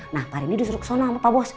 nah pak randy disuruh ke sana sama pak bus